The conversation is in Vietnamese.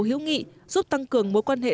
hiếu nghị giúp tăng cường mối quan hệ